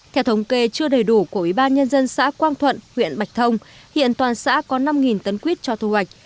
theo thống kê chưa đầy đủ của ủy ban nhân dân xã quang thuận huyện bạch thông hiện toàn xã có năm tấn quýt cho thu hoạch